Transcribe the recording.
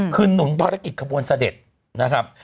คือหนุนภารกิจขบวนเสด็จนะครับ